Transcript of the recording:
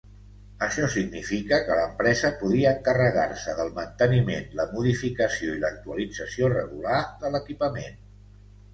Això significa que l'empresa podia encarregar-se del manteniment, la modificació i l'actualització regular de l'equipament.